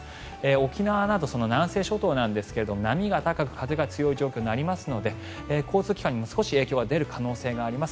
沖縄など南西諸島なんですが波が高く、風が強い状況になりますので交通機関にも少し影響が出る可能性があります。